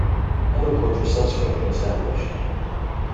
Other courts were subsequently established.